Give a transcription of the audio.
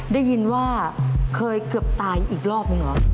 ได้ยินว่าเคยเกือบตายอีกรอบนึงเหรอ